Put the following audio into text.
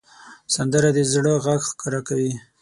سندره د زړه غږ ښکاره کوي